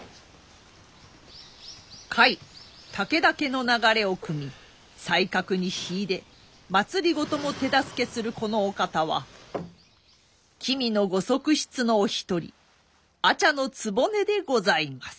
甲斐武田家の流れをくみ才覚に秀で政も手助けするこのお方は君のご側室のお一人阿茶局でございます。